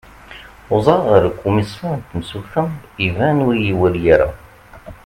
uẓaɣ ɣer ukumisar n temsulta iban ur iyi-iwali ara